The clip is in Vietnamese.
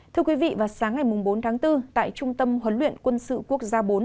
thưa quý vị vào sáng ngày bốn tháng bốn tại trung tâm huấn luyện quân sự quốc gia bốn